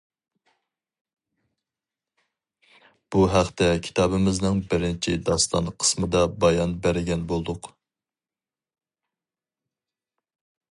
بۇ ھەقتە كىتابىمىزنىڭ بىرىنچى داستان قىسمىدا بايان بەرگەن بولدۇق.